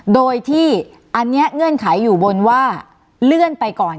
โดยที่อันนี้เงื่อนไขอยู่บนว่าเลื่อนไปก่อน